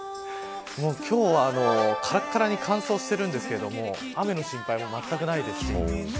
今日は、からからに乾燥しているんですけど雨の心配もまったくないです。